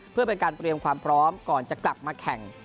เพื่อเป็นการเตรียมความพร้อมก่อนจะกลับมาแข่ง